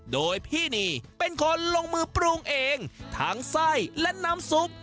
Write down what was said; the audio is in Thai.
โดยพี่นีเป็นคนลงมือปรุงเองทั้งไส้และน้ำซุป